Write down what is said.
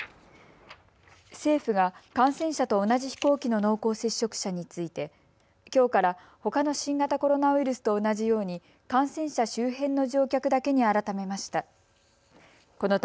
政府が感染者と同じ飛行機の濃厚接触者についてきょうから、ほかの新型コロナウイルスと同じように感染者周辺の乗客だけに改めました。